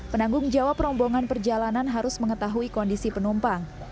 penanggung jawab rombongan perjalanan harus mengetahui kondisi penumpang